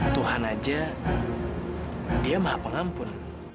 tuhan aja dia maha pengampun